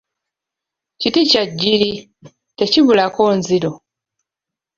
Kiti kya jjiiri, tekibulako nziro.